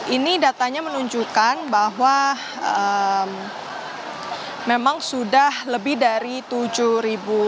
ini datanya menunjukkan bahwa memang sudah lebih dari tujuh ribu